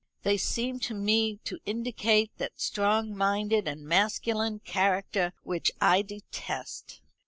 They seem to me to indicate that strong minded and masculine character which I detest.